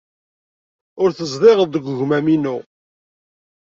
Ur tezdiɣeḍ deg wegmam-inu.